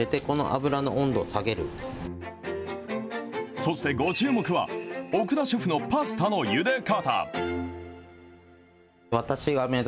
そして、ご注目は奥田シェフのパスタのゆで方。